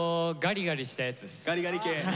ガリガリ系。